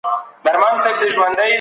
نړیوال ورته د سور طلا نوم ورکړی دی.